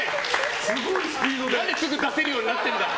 何ですぐ出せるようになってるんだ。